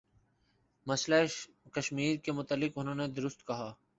مسئلہ کشمیر کے متعلق انہوں نے درست کہا